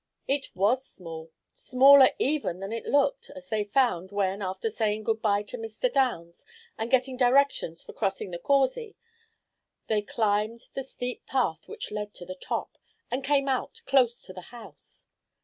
It was small, smaller even than it looked, as they found, when, after saying good by to Mr. Downs, and getting directions for crossing the "Causey," they climbed the steep path which led to the top, and came out close to the house.